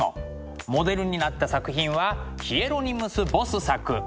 モデルになった作品はヒエロニムス・ボス作「快楽の園」です。